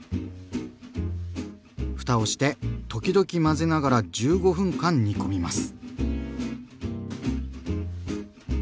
ふたをして時々混ぜながら１５分間煮込みます。